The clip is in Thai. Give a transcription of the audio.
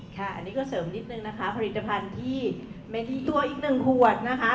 ค่ะอันนี้ก็เสริมนิดนึงนะคะผลิตภัณฑ์ที่เมธีตัวอีกหนึ่งขวดนะคะ